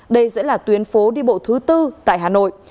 đây sẽ là tuyến phố đi bộ thứ tư tại hà nội